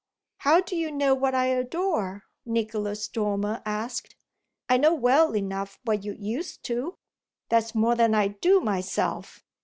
"How do you know what I adore?" Nicholas Dormer asked. "I know well enough what you used to." "That's more than I do myself.